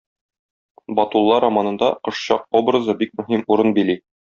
Батулла романында Кошчак образы бик мөһим урын били.